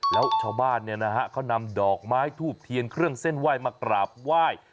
แล้วชาวบ้านเขานำดอกไม้ทูบเทียนเครื่องเส้นไหว้มากราบไหว้